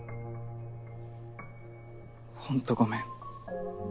ホントごめん。